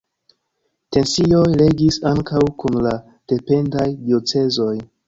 Tensioj regis ankaŭ kun la dependaj diocezoj.